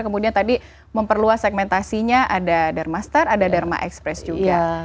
kemudian tadi memperluas segmentasinya ada dermaster ada dharma express juga